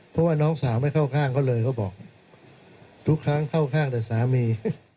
เพราะว่าน้องสาวไม่เข้าข้างเขาเลยเขาบอกทุกครั้งเข้าข้างแต่สามี